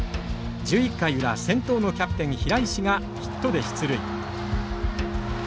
１１回裏先頭のキャプテン平石がヒットで出塁。